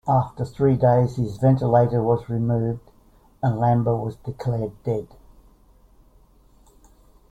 After three days his ventilator was removed and Lamba was declared dead.